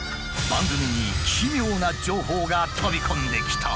番組に奇妙な情報が飛び込んできた。